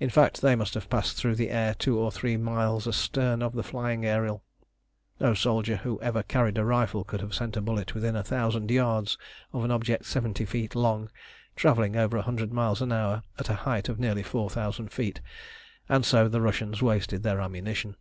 In fact, they must have passed through the air two or three miles astern of the flying Ariel. No soldier who ever carried a rifle could have sent a bullet within a thousand yards of an object seventy feet long travelling over a hundred miles an hour at a height of nearly four thousand feet, and so the Russians wasted their ammunition.